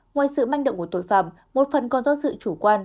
ngoài sự manh động của tội phạm một phần còn do sự chủ quan